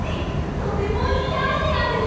とてもいいアイデアです！